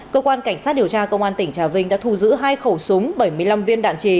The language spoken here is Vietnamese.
cơ quan cảnh sát điều tra công an tỉnh trà vinh đã thu giữ hai khẩu súng bảy mươi năm viên đạn trì